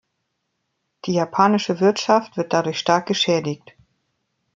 Die japanische Wirtschaft wird dadurch stark geschädigt.